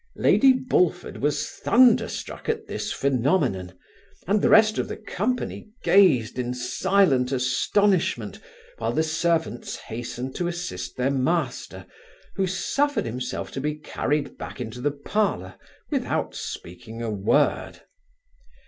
Lady Bullford was thunder struck at this phaenomenon, and the rest of the company gazed in silent astonishment, while the servants hastened to assist their master, who suffered himself to be carried back into the parlour without speaking a word.